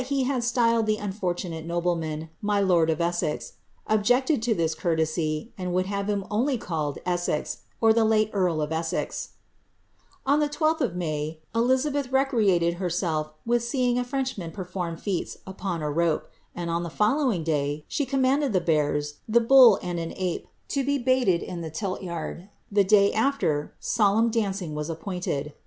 191 ftyled the unfortuntte noblemaD ^ my lord of EsseZ)" objected to this eoortesy, and would have him only called ^ Essex, or the late earl of On the 12th of May, Elizabeth recreated herself with seeing a French man perform feats upon a rope ; and on the following day she com* manded the bears, the bull, and an ape, to be baited in the tilt yard ; the day after, solemn dancing was appointed.